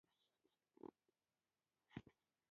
ګورګورې به ورته راوړو وبه يې خوري.